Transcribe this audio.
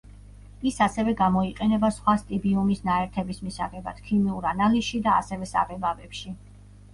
ის ასევე გამოიყენება სხვა სტიბიუმის ნაერთების მისაღებად, ქიმიურ ანალიზში და ასევე საღებავებში.